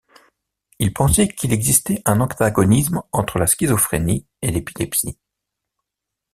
Il pensait qu'il existait un antagonisme entre la schizophrénie et l’épilepsie.